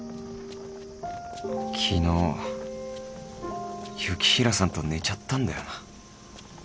昨日雪平さんと寝ちゃったんだよな